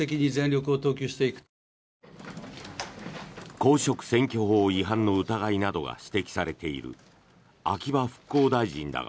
公職選挙法違反の疑いなどが指摘されている秋葉復興大臣だが